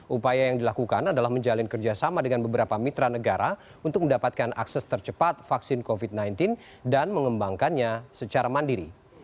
upaya yang dilakukan adalah menjalin kerjasama dengan beberapa mitra negara untuk mendapatkan akses tercepat vaksin covid sembilan belas dan mengembangkannya secara mandiri